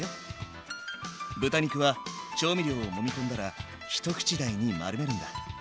豚肉は調味料をもみ込んだら一口大に丸めるんだ。